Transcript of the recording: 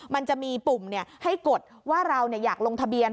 มันจะมีปุ่มให้กดว่าเราอยากลงทะเบียน